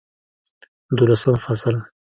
دولسم فصل